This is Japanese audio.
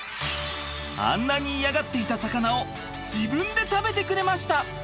あんなに嫌がっていた魚を自分で食べてくれました。